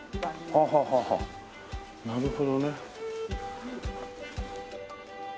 ああなるほどね。